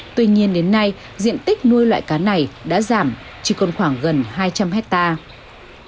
tuy nhiên đến nay diện tích nuôi loại cá này đã giảm chỉ còn khoảng gần hai trăm linh hectare